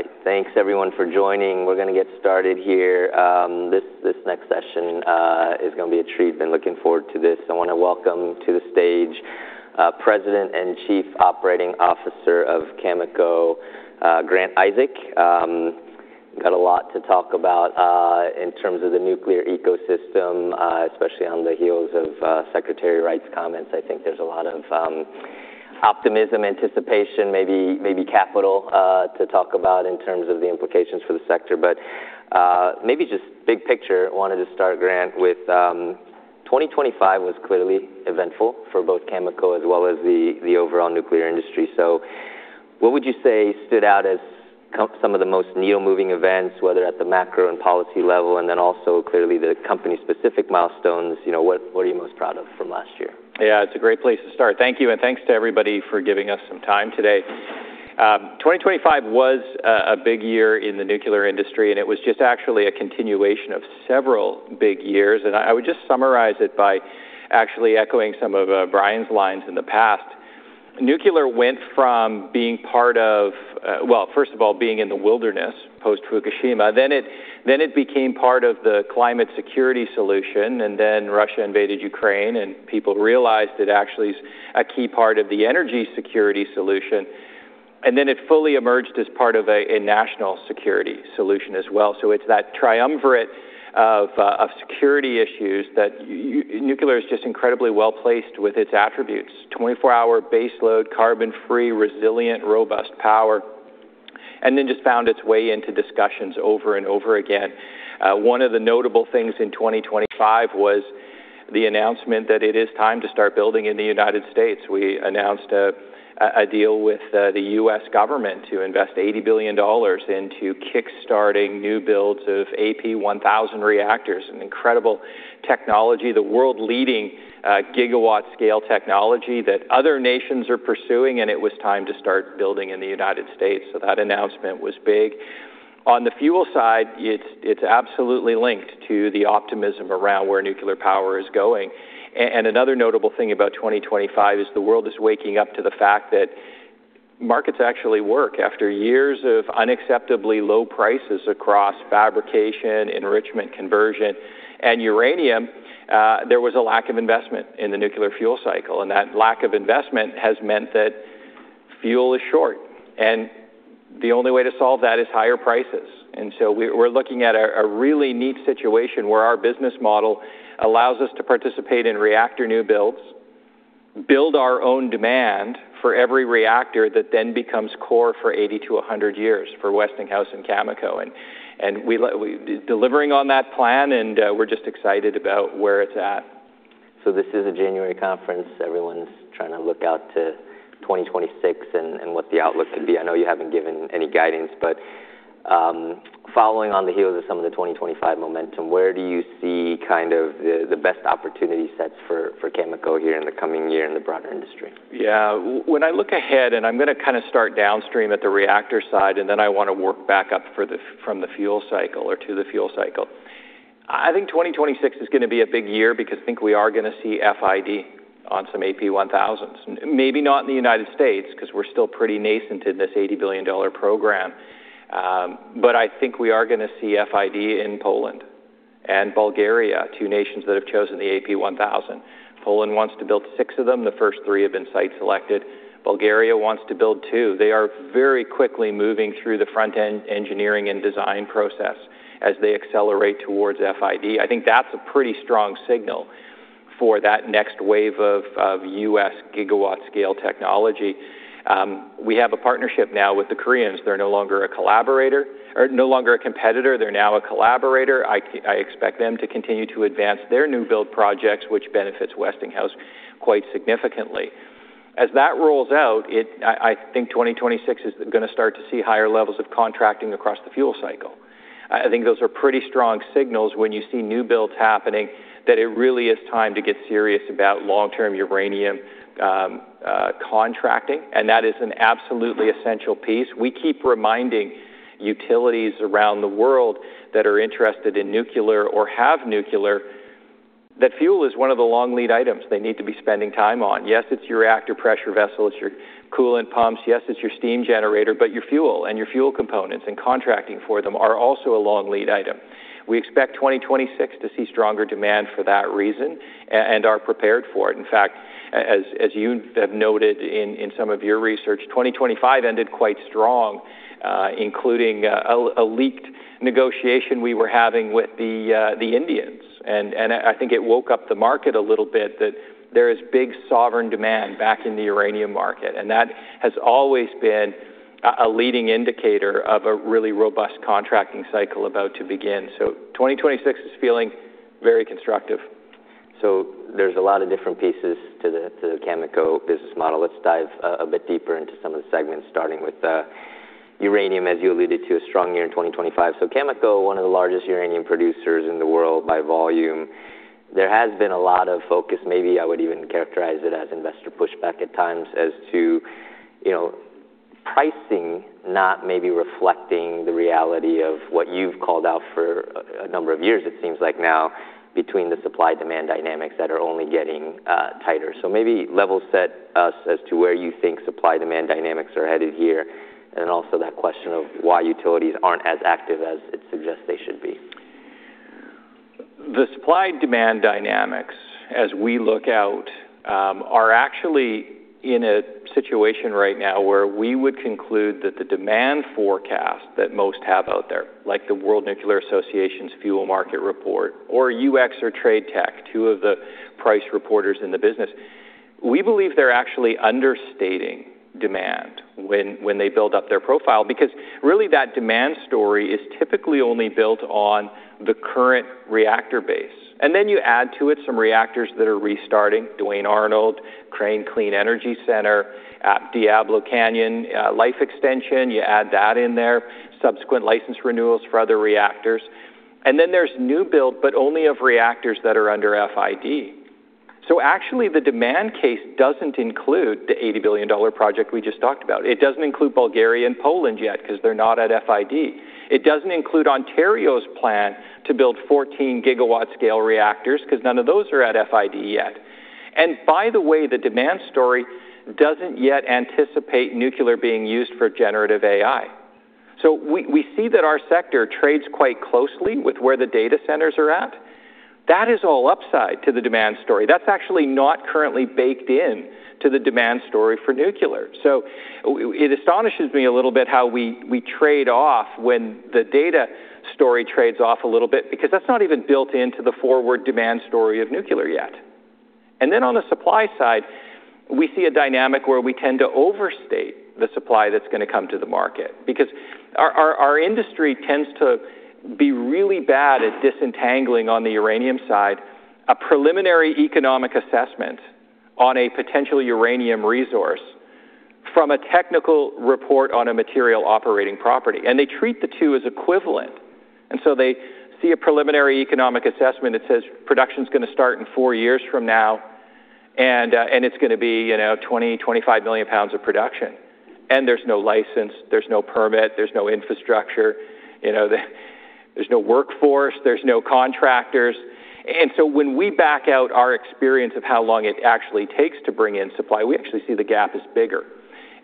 All right, thanks everyone for joining. We're going to get started here. This next session is going to be a treat. I've been looking forward to this. I want to welcome to the stage President and Chief Operating Officer of Cameco, Grant Isaac. Got a lot to talk about in terms of the nuclear ecosystem, especially on the heels of Secretary Wright's comments. I think there's a lot of optimism, anticipation, maybe, maybe capital to talk about in terms of the implications for the sector. But maybe just big picture, I wanted to start, Grant, with 2025 was clearly eventful for both Cameco as well as the overall nuclear industry. So what would you say stood out as some of the most needle-moving events, whether at the macro and policy level, and then also clearly the company-specific milestones? You know, what are you most proud of from last year? Yeah, it's a great place to start. Thank you. And thanks to everybody for giving us some time today. 2025 was a big year in the nuclear industry, and it was just actually a continuation of several big years. And I would just summarize it by actually echoing some of Brian's lines in the past. Nuclear went from being part of, well, first of all, being in the wilderness post-Fukushima. Then it became part of the climate security solution. And then Russia invaded Ukraine, and people realized it actually is a key part of the energy security solution. And then it fully emerged as part of a national security solution as well. So it's that triumvirate of security issues that nuclear is just incredibly well placed with its attributes: 24-hour baseload, carbon-free, resilient, robust power, and then just found its way into discussions over and over again. One of the notable things in 2025 was the announcement that it is time to start building in the United States. We announced a deal with the U.S. government to invest $80 billion into kickstarting new builds of AP1000 reactors, an incredible technology, the world-leading gigawatt-scale technology that other nations are pursuing. And it was time to start building in the United States. So that announcement was big. On the fuel side, it's absolutely linked to the optimism around where nuclear power is going. And another notable thing about 2025 is the world is waking up to the fact that markets actually work. After years of unacceptably low prices across fabrication, enrichment, conversion, and uranium, there was a lack of investment in the nuclear fuel cycle. And that lack of investment has meant that fuel is short. And the only way to solve that is higher prices. We're looking at a really neat situation where our business model allows us to participate in reactor new builds, build our own demand for every reactor that then becomes core for 80 to 100 years for Westinghouse and Cameco. We're delivering on that plan, and we're just excited about where it's at. So this is a January conference. Everyone's trying to look out to 2026 and what the outlook could be. I know you haven't given any guidance, but following on the heels of some of the 2025 momentum, where do you see kind of the best opportunity sets for Cameco here in the coming year in the broader industry? Yeah, when I look ahead, and I'm going to kind of start downstream at the reactor side, and then I want to work back up from the fuel cycle or to the fuel cycle. I think 2026 is going to be a big year because I think we are going to see FID on some AP1000s. Maybe not in the United States because we're still pretty nascent in this $80 billion program. But I think we are going to see FID in Poland and Bulgaria, two nations that have chosen the AP1000. Poland wants to build six of them. The first three have been site-selected. Bulgaria wants to build two. They are very quickly moving through the front-end engineering and design process as they accelerate towards FID. I think that's a pretty strong signal for that next wave of U.S. gigawatt-scale technology. We have a partnership now with the Koreans. They're no longer a collaborator or no longer a competitor. They're now a collaborator. I expect them to continue to advance their new build projects, which benefits Westinghouse quite significantly. As that rolls out, I think 2026 is going to start to see higher levels of contracting across the fuel cycle. I think those are pretty strong signals when you see new builds happening that it really is time to get serious about long-term uranium contracting, and that is an absolutely essential piece. We keep reminding utilities around the world that are interested in nuclear or have nuclear that fuel is one of the long lead items they need to be spending time on. Yes, it's your reactor pressure vessel, it's your coolant pumps, yes, it's your steam generator, but your fuel and your fuel components and contracting for them are also a long lead item. We expect 2026 to see stronger demand for that reason and are prepared for it. In fact, as you have noted in some of your research, 2025 ended quite strong, including a leaked negotiation we were having with the Indians. And I think it woke up the market a little bit that there is big sovereign demand back in the uranium market. And that has always been a leading indicator of a really robust contracting cycle about to begin, so 2026 is feeling very constructive. There's a lot of different pieces to the Cameco business model. Let's dive a bit deeper into some of the segments, starting with uranium, as you alluded to, a strong year in 2025. So Cameco, one of the largest uranium producers in the world by volume. There has been a lot of focus, maybe I would even characterize it as investor pushback at times as to, you know, pricing not maybe reflecting the reality of what you've called out for a number of years. It seems like now, between the supply-demand dynamics that are only getting tighter. So maybe level set us as to where you think supply-demand dynamics are headed here. And then also that question of why utilities aren't as active as it suggests they should be. The supply-demand dynamics, as we look out, are actually in a situation right now where we would conclude that the demand forecast that most have out there, like the World Nuclear Association's fuel market report or UxC or TradeTech, two of the price reporters in the business. We believe they're actually understating demand when they build up their profile because really that demand story is typically only built on the current reactor base. Then you add to it some reactors that are restarting: Duane Arnold, Crane Clean Energy Center, Diablo Canyon life extension. You add that in there, subsequent license renewals for other reactors. Then there's new build, but only of reactors that are under FID. So actually the demand case doesn't include the $80 billion project we just talked about. It doesn't include Bulgaria and Poland yet because they're not at FID. It doesn't include Ontario's plan to build 14 GW-scale reactors because none of those are at FID yet, and by the way, the demand story doesn't yet anticipate nuclear being used for generative AI, so we see that our sector trades quite closely with where the data centers are at. That is all upside to the demand story. That's actually not currently baked into the demand story for nuclear, so it astonishes me a little bit how we trade off when the data story trades off a little bit because that's not even built into the forward demand story of nuclear yet. And then on the supply side, we see a dynamic where we tend to overstate the supply that's going to come to the market because our industry tends to be really bad at disentangling on the uranium side a preliminary economic assessment on a potentially uranium resource from a technical report on a material operating property. And they treat the two as equivalent. And so they see a preliminary economic assessment that says production's going to start in four years from now, and it's going to be, you know, 20 million-25 million pounds of production. And there's no license, there's no permit, there's no infrastructure, you know, there's no workforce, there's no contractors. And so when we back out our experience of how long it actually takes to bring in supply, we actually see the gap is bigger.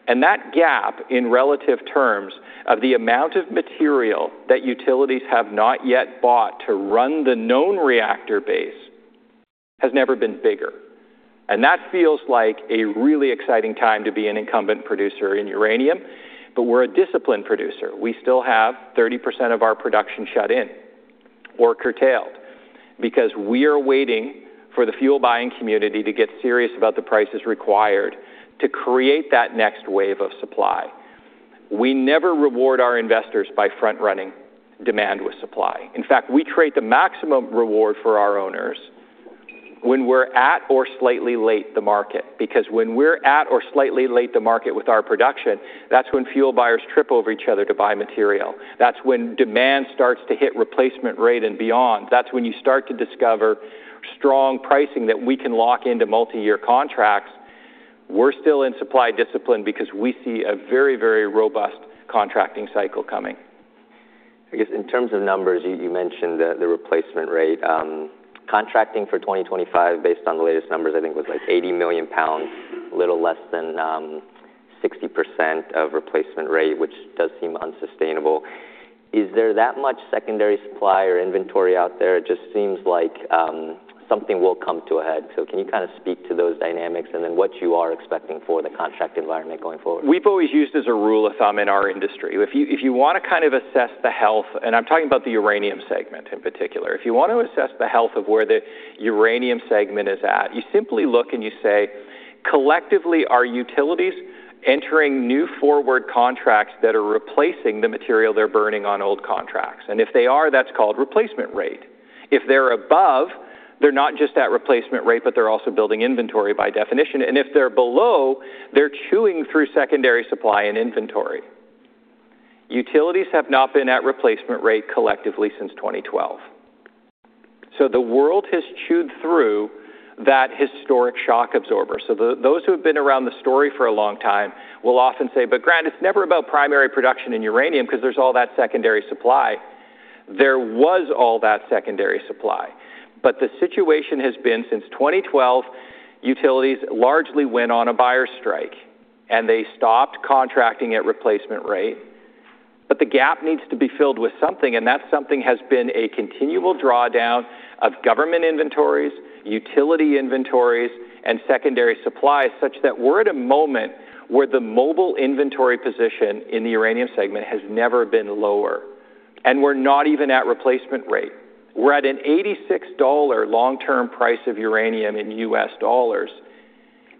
And that gap, in relative terms, of the amount of material that utilities have not yet bought to run the known reactor base has never been bigger. And that feels like a really exciting time to be an incumbent producer in uranium. But we're a disciplined producer. We still have 30% of our production shut in or curtailed because we are waiting for the fuel buying community to get serious about the prices required to create that next wave of supply. We never reward our investors by front-running demand with supply. In fact, we create the maximum reward for our owners when we're at or slightly late the market. Because when we're at or slightly late the market with our production, that's when fuel buyers trip over each other to buy material. That's when demand starts to hit replacement rate and beyond. That's when you start to discover strong pricing that we can lock into multi-year contracts. We're still in supply discipline because we see a very, very robust contracting cycle coming. I guess in terms of numbers, you mentioned the replacement rate. Contracting for 2025, based on the latest numbers, I think was like 80 million pounds, a little less than 60% of replacement rate, which does seem unsustainable. Is there that much secondary supply or inventory out there? It just seems like something will come to a head. So can you kind of speak to those dynamics and then what you are expecting for the contract environment going forward? We've always used as a rule of thumb in our industry. If you want to kind of assess the health, and I'm talking about the uranium segment in particular, if you want to assess the health of where the uranium segment is at, you simply look and you say, collectively, are utilities entering new forward contracts that are replacing the material they're burning on old contracts? And if they are, that's called replacement rate. If they're above, they're not just at replacement rate, but they're also building inventory by definition. And if they're below, they're chewing through secondary supply and inventory. Utilities have not been at replacement rate collectively since 2012. So the world has chewed through that historic shock absorber. Those who have been around the story for a long time will often say, "But Grant, it's never about primary production in uranium because there's all that secondary supply." There was all that secondary supply. But the situation has been since 2012, utilities largely went on a buyer strike and they stopped contracting at replacement rate. But the gap needs to be filled with something. And that something has been a continual drawdown of government inventories, utility inventories, and secondary supplies such that we're at a moment where the mobile inventory position in the uranium segment has never been lower. And we're not even at replacement rate. We're at an $86 long-term price of uranium in U.S. dollars.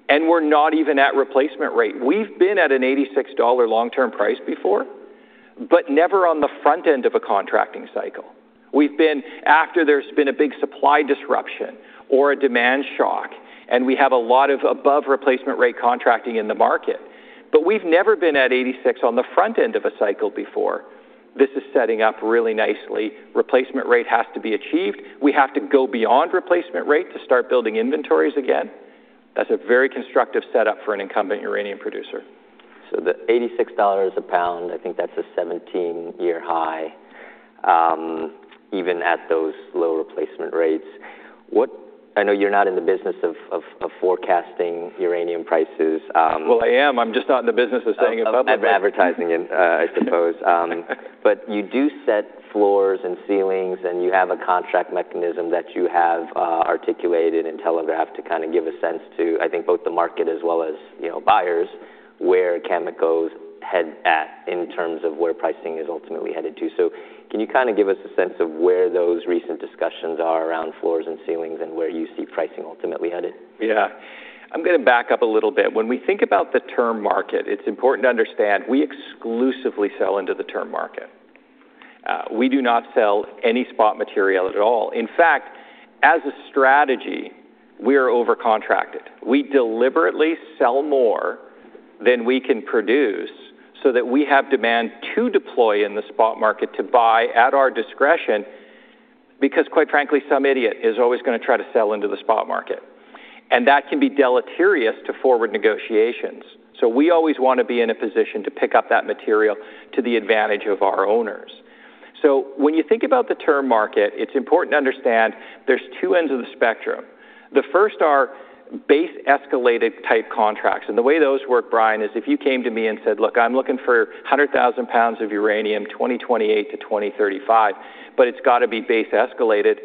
And we're not even at replacement rate. We've been at an $86 long-term price before, but never on the front end of a contracting cycle. We've been after there's been a big supply disruption or a demand shock, and we have a lot of above replacement rate contracting in the market. But we've never been at 86 on the front end of a cycle before. This is setting up really nicely. Replacement rate has to be achieved. We have to go beyond replacement rate to start building inventories again. That's a very constructive setup for an incumbent uranium producer. The $86 a pound, I think that's a 17-year high, even at those low replacement rates. What I know you're not in the business of forecasting uranium prices. I am. I'm just not in the business of saying it publicly. I'm advertising, I suppose. But you do set floors and ceilings, and you have a contract mechanism that you have articulated and telegraphed to kind of give a sense to, I think, both the market as well as buyers where Cameco's head at in terms of where pricing is ultimately headed to. So can you kind of give us a sense of where those recent discussions are around floors and ceilings and where you see pricing ultimately headed? Yeah. I'm going to back up a little bit. When we think about the term market, it's important to understand we exclusively sell into the term market. We do not sell any spot material at all. In fact, as a strategy, we are overcontracted. We deliberately sell more than we can produce so that we have demand to deploy in the spot market to buy at our discretion because, quite frankly, some idiot is always going to try to sell into the spot market. And that can be deleterious to forward negotiations. We always want to be in a position to pick up that material to the advantage of our owners. So when you think about the term market, it's important to understand there's two ends of the spectrum. The first are base escalated type contracts. And the way those work, Brian, is if you came to me and said, "Look, I'm looking for 100,000 pounds of uranium 2028 to 2035, but it's got to be base escalated,"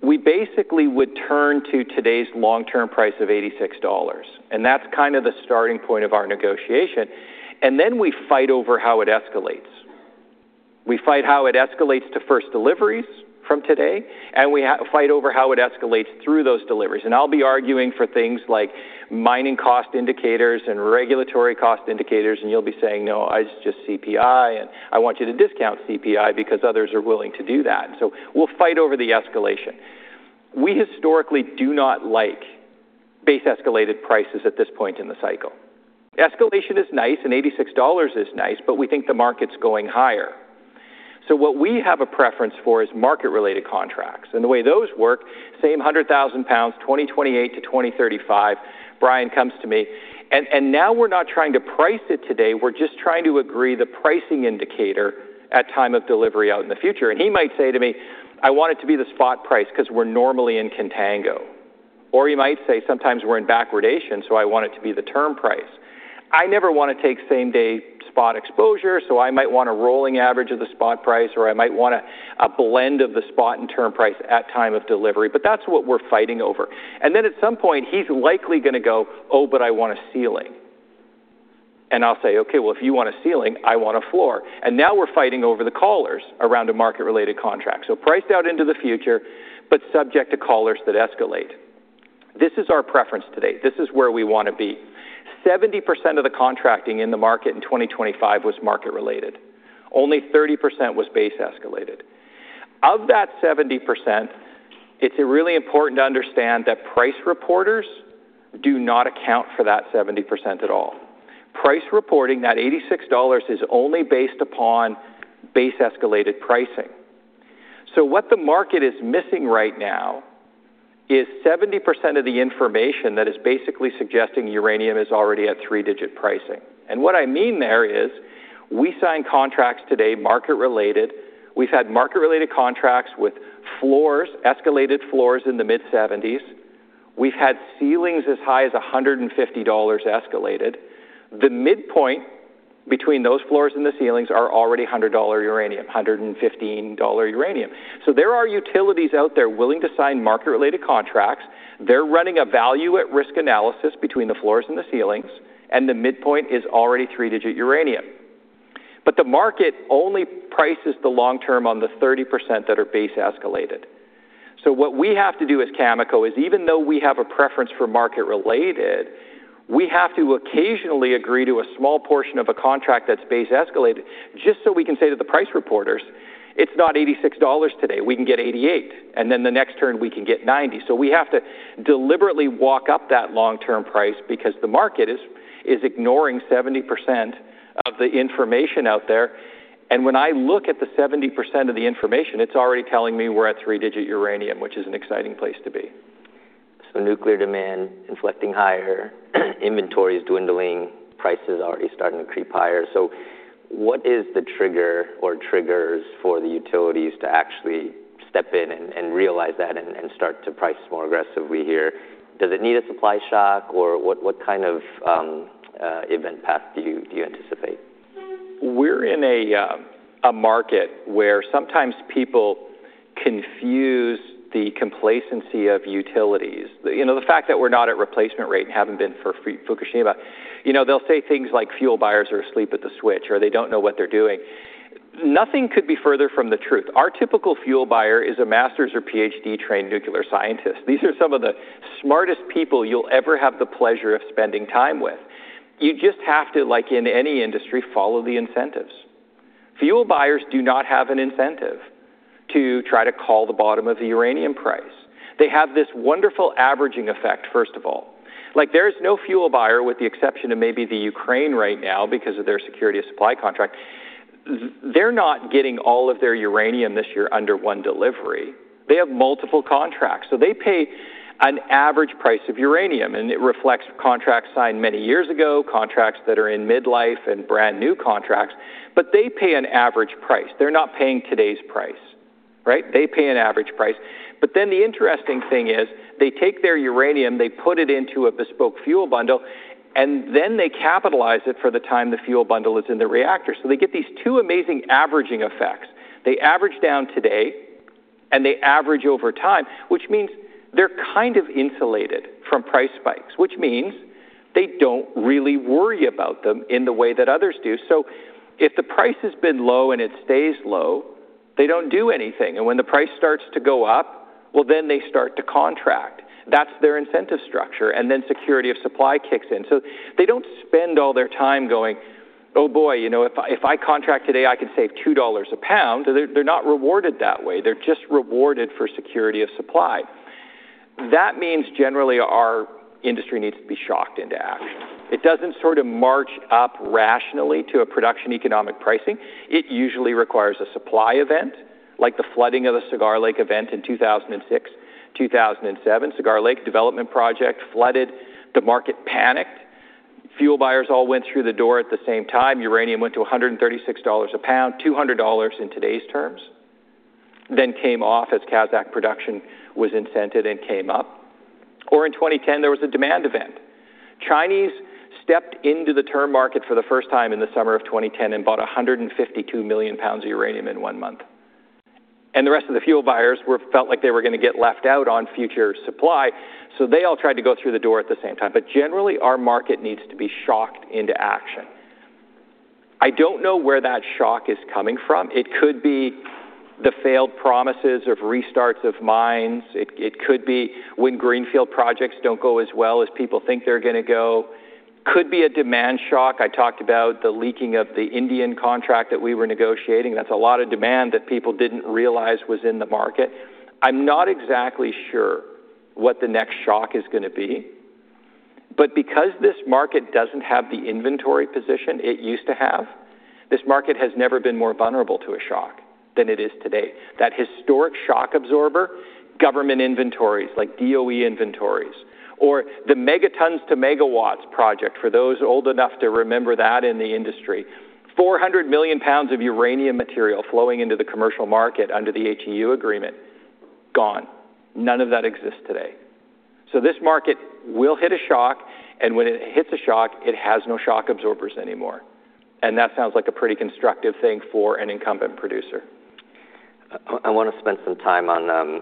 we basically would turn to today's long-term price of $86. And that's kind of the starting point of our negotiation. And then we fight over how it escalates. We fight how it escalates to first deliveries from today, and we fight over how it escalates through those deliveries. And I'll be arguing for things like mining cost indicators and regulatory cost indicators. And you'll be saying, "No, I just CPI, and I want you to discount CPI because others are willing to do that." So we'll fight over the escalation. We historically do not like base escalated prices at this point in the cycle. Escalation is nice, and $86 is nice, but we think the market's going higher. So what we have a preference for is market-related contracts. And the way those work, same 100,000 pounds 2028-2035, Brian comes to me. And now we're not trying to price it today. We're just trying to agree the pricing indicator at time of delivery out in the future. And he might say to me, "I want it to be the spot price because we're normally in contango." Or he might say, "Sometimes we're in backwardation, so I want it to be the term price." I never want to take same-day spot exposure, so I might want a rolling average of the spot price, or I might want a blend of the spot and term price at time of delivery. But that's what we're fighting over. And then at some point, he's likely going to go, "Oh, but I want a ceiling." And I'll say, "Okay, well, if you want a ceiling, I want a floor." And now we're fighting over the collars around a market-related contract. So priced out into the future, but subject to collars that escalate. This is our preference today. This is where we want to be. 70% of the contracting in the market in 2025 was market-related. Only 30% was base escalated. Of that 70%, it's really important to understand that price reporters do not account for that 70% at all. Price reporting, that $86 is only based upon base escalated pricing. So what the market is missing right now is 70% of the information that is basically suggesting uranium is already at three-digit pricing. And what I mean there is we sign contracts today, market-related. We've had market-related contracts with floors, escalated floors in the mid-70s. We've had ceilings as high as $150 escalated. The midpoint between those floors and the ceilings are already $100 uranium, $115 uranium. So there are utilities out there willing to sign market-related contracts. They're running a value-at-risk analysis between the floors and the ceilings, and the midpoint is already three-digit uranium. But the market only prices the long-term on the 30% that are base escalated. So what we have to do as Cameco is, even though we have a preference for market-related, we have to occasionally agree to a small portion of a contract that's base escalated just so we can say to the price reporters, "It's not $86 today. We can get $88, and then the next turn we can get $90," so we have to deliberately walk up that long-term price because the market is ignoring 70% of the information out there, and when I look at the 70% of the information, it's already telling me we're at three-digit uranium, which is an exciting place to be. So nuclear demand inflecting higher, inventories dwindling, prices already starting to creep higher. So what is the trigger or triggers for the utilities to actually step in and realize that and start to price more aggressively here? Does it need a supply shock, or what kind of event path do you anticipate? We're in a market where sometimes people confuse the complacency of utilities. You know, the fact that we're not at replacement rate and haven't been for Fukushima, you know, they'll say things like fuel buyers are asleep at the switch or they don't know what they're doing. Nothing could be further from the truth. Our typical fuel buyer is a master's or PhD-trained nuclear scientist. These are some of the smartest people you'll ever have the pleasure of spending time with. You just have to, like in any industry, follow the incentives. Fuel buyers do not have an incentive to try to call the bottom of the uranium price. They have this wonderful averaging effect, first of all. Like, there is no fuel buyer, with the exception of maybe the Ukraine right now because of their security of supply contract. They're not getting all of their uranium this year under one delivery. They have multiple contracts. So they pay an average price of uranium, and it reflects contracts signed many years ago, contracts that are in midlife and brand new contracts. But they pay an average price. They're not paying today's price, right? They pay an average price. But then the interesting thing is they take their uranium, they put it into a bespoke fuel bundle, and then they capitalize it for the time the fuel bundle is in the reactor. So they get these two amazing averaging effects. They average down today, and they average over time, which means they're kind of insulated from price spikes, which means they don't really worry about them in the way that others do. So if the price has been low and it stays low, they don't do anything. When the price starts to go up, well, then they start to contract. That's their incentive structure. And then security of supply kicks in. So they don't spend all their time going, "Oh boy, you know, if I contract today, I can save $2 a pound." They're not rewarded that way. They're just rewarded for security of supply. That means generally our industry needs to be shocked into action. It doesn't sort of march up rationally to a production economic pricing. It usually requires a supply event, like the flooding of the Cigar Lake event in 2006, 2007. Cigar Lake development project flooded. The market panicked. Fuel buyers all went through the door at the same time. Uranium went to $136 a pound, $200 in today's terms, then came off as Kazakh production was incented and came up, or in 2010 there was a demand event. Chinese stepped into the term market for the first time in the summer of 2010 and bought 152 million pounds of uranium in one month, and the rest of the fuel buyers felt like they were going to get left out on future supply, so they all tried to go through the door at the same time, but generally, our market needs to be shocked into action. I don't know where that shock is coming from. It could be the failed promises of restarts of mines. It could be when greenfield projects don't go as well as people think they're going to go, could be a demand shock. I talked about the leaking of the Indian contract that we were negotiating. That's a lot of demand that people didn't realize was in the market. I'm not exactly sure what the next shock is going to be. But because this market doesn't have the inventory position it used to have, this market has never been more vulnerable to a shock than it is today. That historic shock absorber, government inventories like DOE inventories, or the Megatons to Megawatts project, for those old enough to remember that in the industry, 400 million pounds of uranium material flowing into the commercial market under the HEU agreement, gone. None of that exists today. So this market will hit a shock. And when it hits a shock, it has no shock absorbers anymore. And that sounds like a pretty constructive thing for an incumbent producer. I want to spend some time on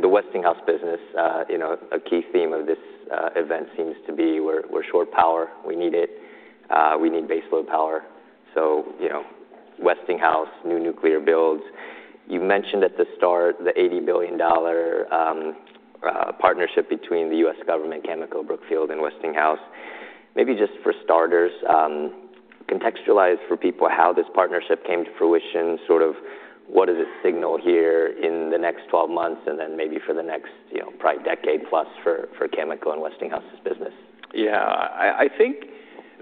the Westinghouse business. You know, a key theme of this event seems to be we're short power. We need it. We need baseload power. So, you know, Westinghouse, new nuclear builds. You mentioned at the start the $80 billion partnership between the U.S. government, Cameco, Brookfield, and Westinghouse. Maybe just for starters, contextualize for people how this partnership came to fruition, sort of what does it signal here in the next 12 months and then maybe for the next, you know, probably decade plus for Cameco and Westinghouse's business. Yeah. I think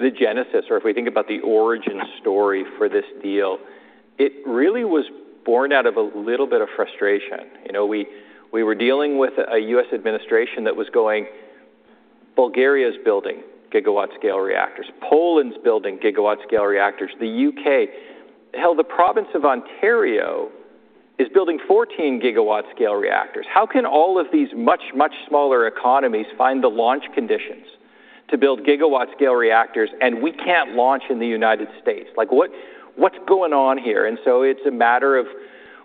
the genesis, or if we think about the origin story for this deal, it really was born out of a little bit of frustration. You know, we were dealing with a U.S. administration that was going, Bulgaria's building gigawatt-scale reactors, Poland's building gigawatt-scale reactors, the U.K., hell, the province of Ontario is building 14 GW-scale reactors. How can all of these much, much smaller economies find the launch conditions to build gigawatt-scale reactors, and we can't launch in the United States? Like, what's going on here, and so it's a matter of,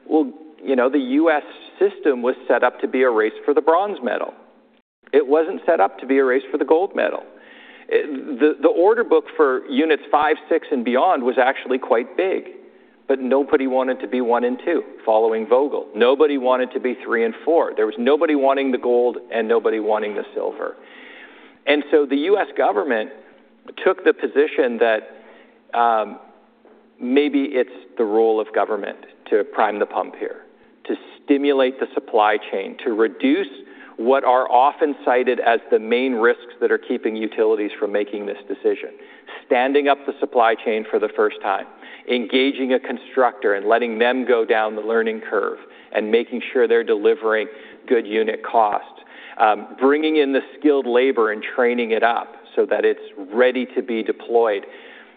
well, you know, the U.S. system was set up to be a race for the bronze medal. It wasn't set up to be a race for the gold medal. The order book for units five, six, and beyond was actually quite big, but nobody wanted to be one and two following Vogtle. Nobody wanted to be three and four. There was nobody wanting the gold and nobody wanting the silver, and so the U.S. government took the position that maybe it's the role of government to prime the pump here, to stimulate the supply chain, to reduce what are often cited as the main risks that are keeping utilities from making this decision, standing up the supply chain for the first time, engaging a constructor and letting them go down the learning curve and making sure they're delivering good unit costs, bringing in the skilled labor and training it up so that it's ready to be deployed.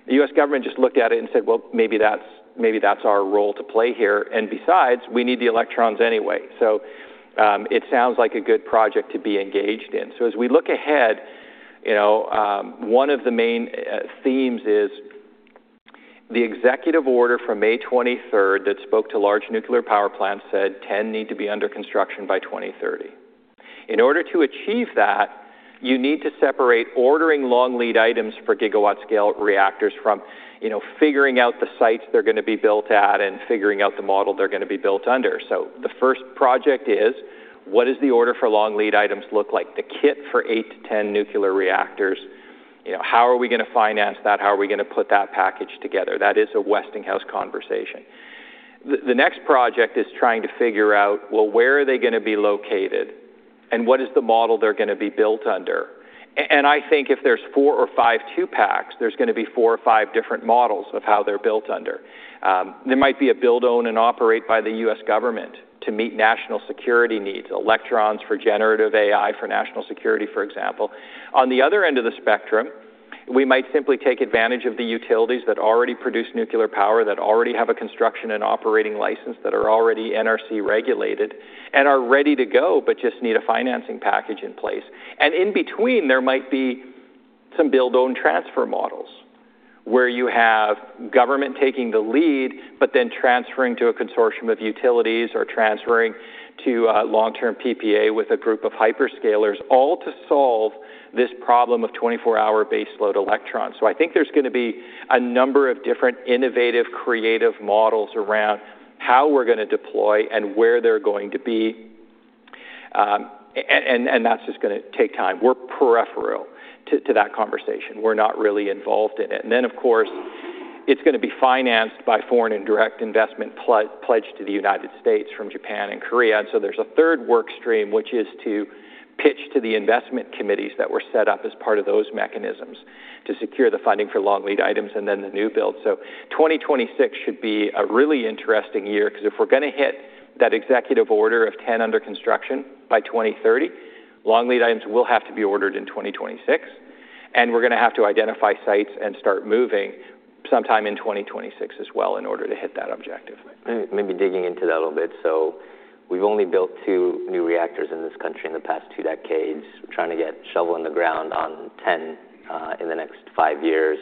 The U.S. government just looked at it and said, "Well, maybe that's our role to play here," and besides, we need the electrons anyway, so it sounds like a good project to be engaged in. As we look ahead, you know, one of the main themes is the Executive Order from May 23rd that spoke to large nuclear power plants, said 10 need to be under construction by 2030. In order to achieve that, you need to separate ordering long lead items for gigawatt-scale reactors from, you know, figuring out the sites they're going to be built at and figuring out the model they're going to be built under. So the first project is, what does the order for long lead items look like? The kit for 8 to 10 nuclear reactors, you know, how are we going to finance that? How are we going to put that package together? That is a Westinghouse conversation. The next project is trying to figure out, well, where are they going to be located and what is the model they're going to be built under? And I think if there's four or five two-packs, there's going to be four or five different models of how they're built under. There might be a build, own, and operate by the U.S. government to meet national security needs, electrons for Generative AI for national security, for example. On the other end of the spectrum, we might simply take advantage of the utilities that already produce nuclear power, that already have a construction and operating license, that are already NRC regulated and are ready to go, but just need a financing package in place. And in between, there might be some build, own, transfer models where you have government taking the lead, but then transferring to a consortium of utilities or transferring to long-term PPA with a group of hyperscalers, all to solve this problem of 24-hour baseload electrons. I think there's going to be a number of different innovative, creative models around how we're going to deploy and where they're going to be. And that's just going to take time. We're peripheral to that conversation. We're not really involved in it. And then, of course, it's going to be financed by foreign and direct investment pledged to the United States from Japan and Korea. And so there's a third work stream, which is to pitch to the investment committees that were set up as part of those mechanisms to secure the funding for long lead items and then the new build. So 2026 should be a really interesting year because if we're going to hit that executive order of 10 under construction by 2030, long lead items will have to be ordered in 2026. We're going to have to identify sites and start moving sometime in 2026 as well in order to hit that objective. Maybe digging into that a little bit. So we've only built two new reactors in this country in the past two decades. We're trying to get shovel in the ground on 10 in the next five years.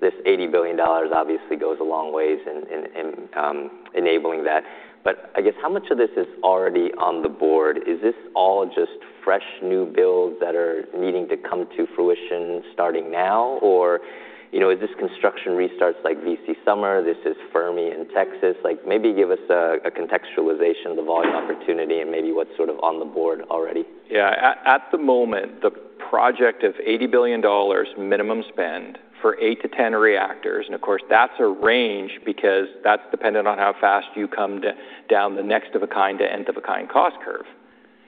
This $80 billion obviously goes a long way in enabling that. But I guess how much of this is already on the board? Is this all just fresh new builds that are needing to come to fruition starting now? Or, you know, is this construction restarts like VC Summer? This is Fermi in Michigan. Like, maybe give us a contextualization of the volume opportunity and maybe what's sort of on the board already. Yeah. At the moment, the project of $80 billion minimum spend for 8 to 10 reactors, and of course, that's a range because that's dependent on how fast you come down the Next-of-a-kind to Nth-of-a-kind cost curve.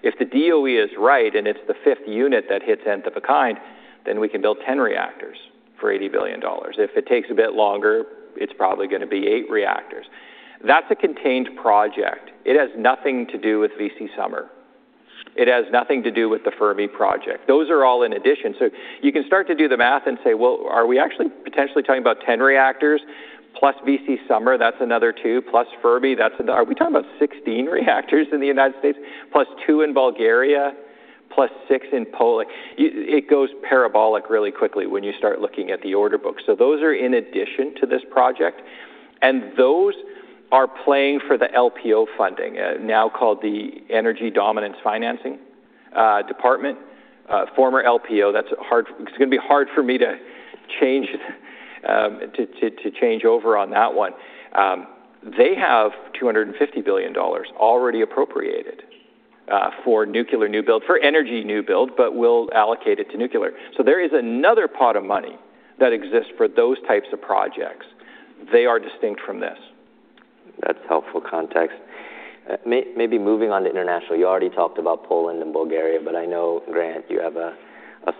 If the DOE is right and it's the fifth unit that hits end of a kind, then we can build 10 reactors for $80 billion. If it takes a bit longer, it's probably going to be eight reactors. That's a contained project. It has nothing to do with VC Summer. It has nothing to do with the Fermi project. Those are all in addition. So you can start to do the math and say, well, are we actually potentially talking about 10 reactors plus VC Summer? That's another two. Plus Fermi, that's another. Are we talking about 16 reactors in the United States plus two in Bulgaria plus six in Poland? It goes parabolic really quickly when you start looking at the order book. So those are in addition to this project. And those are playing for the LPO funding, now called the Energy Dominance Financing Department, former LPO. That's hard. It's going to be hard for me to change over on that one. They have $250 billion already appropriated for nuclear new build, for energy new build, but will allocate it to nuclear. So there is another pot of money that exists for those types of projects. They are distinct from this. That's helpful context. Maybe moving on to international. You already talked about Poland and Bulgaria, but I know, Grant, you have a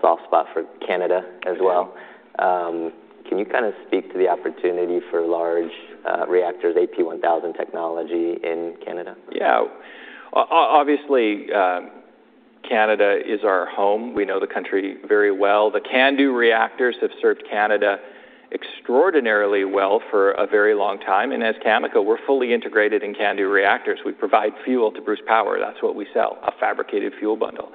soft spot for Canada as well. Can you kind of speak to the opportunity for large reactors, AP1000 technology in Canada? Yeah. Obviously, Canada is our home. We know the country very well. The CANDU reactors have served Canada extraordinarily well for a very long time, and as Cameco, we're fully integrated in CANDU reactors. We provide fuel to Bruce Power. That's what we sell, a fabricated fuel bundle.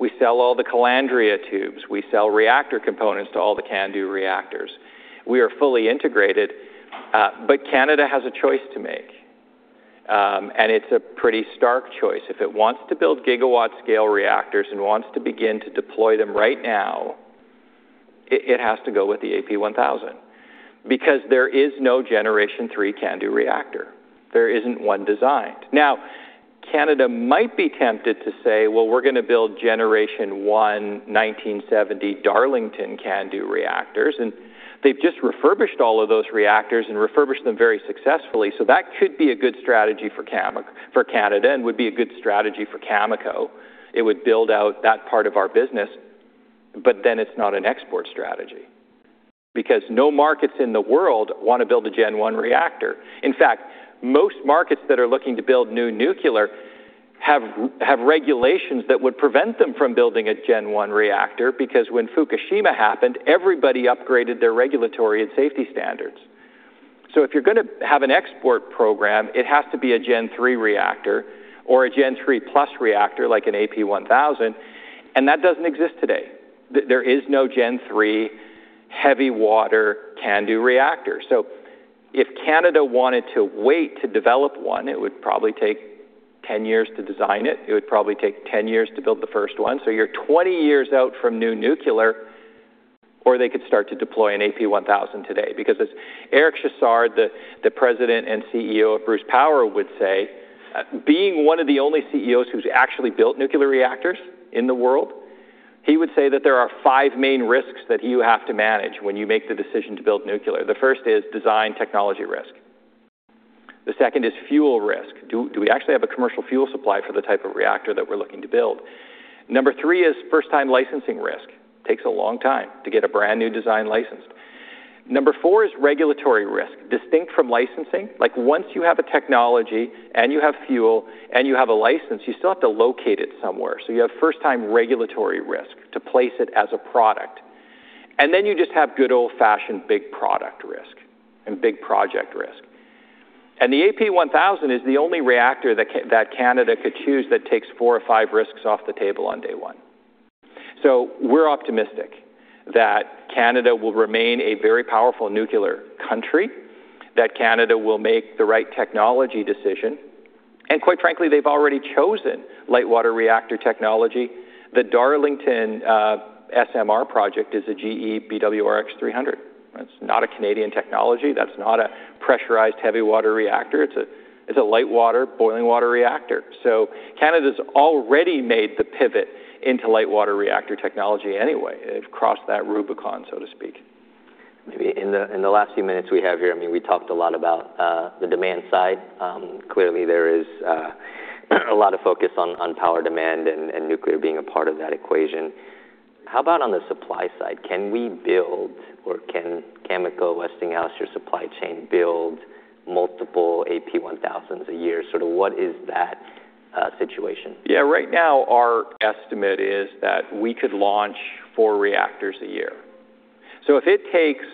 We sell all the calandria tubes. We sell reactor components to all the CANDU reactors. We are fully integrated, but Canada has a choice to make, and it's a pretty stark choice. If it wants to build gigawatt-scale reactors and wants to begin to deploy them right now, it has to go with the AP1000 because there is no Generation three CANDU reactor. There isn't one designed. Now, Canada might be tempted to say, well, we're going to build Generation one 1970 Darlington CANDU reactors, and they've just refurbished all of those reactors and refurbished them very successfully. So that could be a good strategy for Canada and would be a good strategy for Cameco. It would build out that part of our business. But then it's not an export strategy because no markets in the world want to build a Gen 1 reactor. In fact, most markets that are looking to build new nuclear have regulations that would prevent them from building a Gen 1 reactor because when Fukushima happened, everybody upgraded their regulatory and safety standards. So if you're going to have an export program, it has to be a Gen 3 reactor or a Gen 3+ reactor like an AP1000. And that doesn't exist today. There is no Gen 3 heavy water CANDU reactor. So if Canada wanted to wait to develop one, it would probably take 10 years to design it. It would probably take 10 years to build the first one. So you're 20 years out from new nuclear, or they could start to deploy an AP1000 today. Because as Eric Chassard, the President and CEO of Bruce Power, would say, being one of the only CEOs who's actually built nuclear reactors in the world, he would say that there are five main risks that you have to manage when you make the decision to build nuclear. The first is design technology risk. The second is fuel risk. Do we actually have a commercial fuel supply for the type of reactor that we're looking to build? Number three is first-time licensing risk. Takes a long time to get a brand new design licensed. Number four is regulatory risk, distinct from licensing. Like, once you have a technology and you have fuel and you have a license, you still have to locate it somewhere. So you have first-time regulatory risk to place it as a product. And then you just have good old-fashioned big product risk and big project risk. And the AP1000 is the only reactor that Canada could choose that takes four or five risks off the table on day one. So we're optimistic that Canada will remain a very powerful nuclear country, that Canada will make the right technology decision. And quite frankly, they've already chosen light water reactor technology. The Darlington SMR project is a GE BWRX-300. That's not a Canadian technology. That's not a pressurized heavy water reactor. It's a light water boiling water reactor. So Canada's already made the pivot into light water reactor technology anyway. They've crossed that Rubicon, so to speak. Maybe in the last few minutes we have here, I mean, we talked a lot about the demand side. Clearly, there is a lot of focus on power demand and nuclear being a part of that equation. How about on the supply side? Can we build, or can Cameco, Westinghouse, your supply chain build multiple AP1000s a year? Sort of what is that situation? Yeah. Right now, our estimate is that we could launch four reactors a year. So if it takes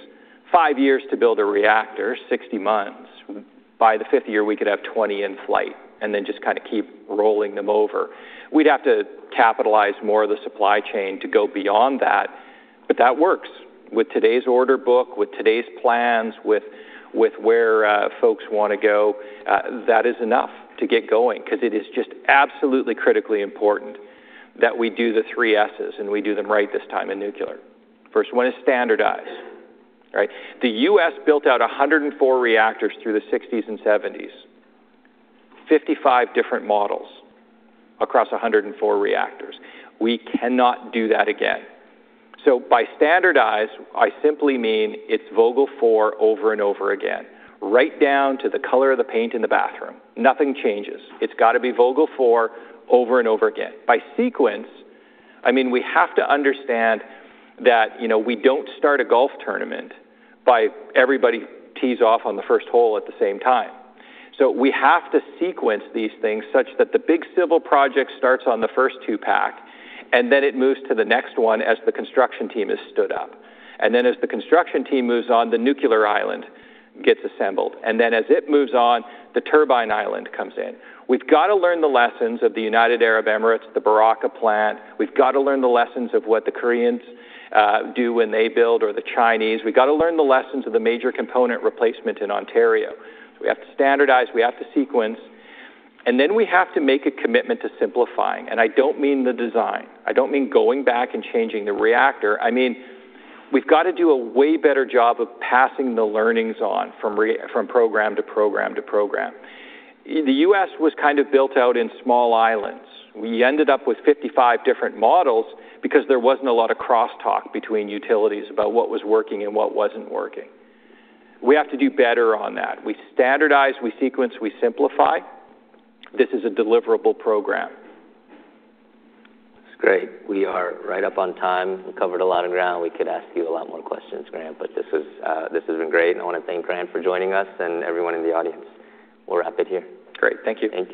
five years to build a reactor, 60 months, by the fifth year, we could have 20 in flight and then just kind of keep rolling them over. We'd have to capitalize more of the supply chain to go beyond that. But that works with today's order book, with today's plans, with where folks want to go. That is enough to get going because it is just absolutely critically important that we do the SSS's, and we do them right this time in nuclear. First one is standardize. Right? The U.S. built out 104 reactors through the 1960s and 1970s, 55 different models across 104 reactors. We cannot do that again. So by standardize, I simply mean it's Vogtle 4 over and over again, right down to the color of the paint in the bathroom. Nothing changes. It's got to be Vogtle 4 over and over again. By sequence, I mean, we have to understand that, you know, we don't start a golf tournament by everybody teeing off on the first hole at the same time. We have to sequence these things such that the big civil project starts on the first two-pack, and then it moves to the next one as the construction team has stood up. And then as the construction team moves on, the nuclear island gets assembled. And then as it moves on, the turbine island comes in. We've got to learn the lessons of the United Arab Emirates, the Barakah plant. We've got to learn the lessons of what the Koreans do when they build or the Chinese. We've got to learn the lessons of the major component replacement in Ontario. So we have to standardize. We have to sequence. And then we have to make a commitment to simplifying. And I don't mean the design. I don't mean going back and changing the reactor. I mean, we've got to do a way better job of passing the learnings on from program to program to program. The U.S. was kind of built out in small islands. We ended up with 55 different models because there wasn't a lot of crosstalk between utilities about what was working and what wasn't working. We have to do better on that. We standardize, we sequence, we simplify. This is a deliverable program. That's great. We are right up on time. We covered a lot of ground. We could ask you a lot more questions, Grant, but this has been great. And I want to thank Grant for joining us and everyone in the audience. We'll wrap it here. Great. Thank you. Thank you.